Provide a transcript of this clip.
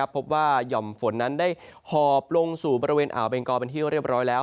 หย่อมฝนนั้นได้หอบลงสู่บริเวณอ่าวเบงกอเป็นที่เรียบร้อยแล้ว